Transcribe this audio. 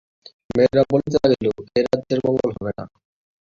মেয়েরা বলিতে লাগিল, এ রাজ্যের মঙ্গল হবে না।